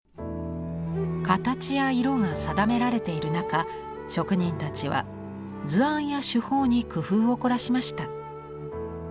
形や色が定められている中職人たちは図案や手法に工夫を凝らしました。